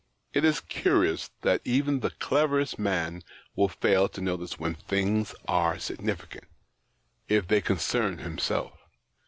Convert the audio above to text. It is curious that even the cleverest man will fail to notice when things are significant, if they concern himself.